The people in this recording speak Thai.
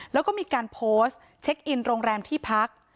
แล้วก็มีการโพสต์เช็คอินโรงแรมที่พัก